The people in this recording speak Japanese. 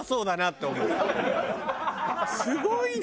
すごいね。